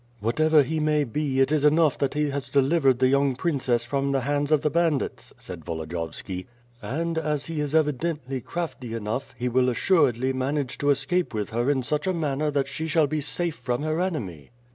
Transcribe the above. ^'Whatever he may be it is enough that he has delivered the young princess from the hands of the bandits," said Vo lodiyovski, "and, as he is evidently crafty enough, he will assuredly manage to escape with her in such a manner that she shall be safe from her enemy."